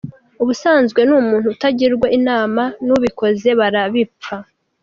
Ubusanzwe ni umuntu utagirwa inama n’ubikoze barabipfa.